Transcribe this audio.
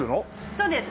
そうです。